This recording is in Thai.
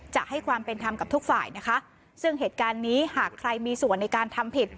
จะให้ความเป็นธรรมกับทุกฝ่ายนะคะซึ่งเหตุการณ์นี้หากใครมีส่วนในการทำผิด